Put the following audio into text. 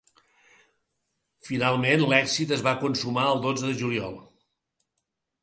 Finalment, l’èxit es va consumar el dotze de juliol.